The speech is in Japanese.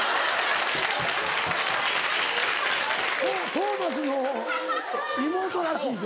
トーマスの妹らしいで。